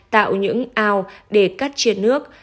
tạo những ao để cắt chiệt nước